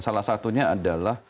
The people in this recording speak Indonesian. salah satunya adalah